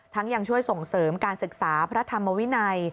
ยังช่วยส่งเสริมการศึกษาพระธรรมวินัย